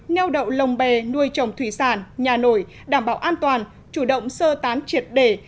neo đậu lồng bè nuôi trồng thủy sản nhà nổi đảm bảo an toàn chủ động sơ tán triệt để